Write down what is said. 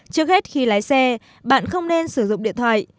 trước hết khi lái xe bạn không nên sử dụng điện thoại